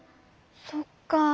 そっか。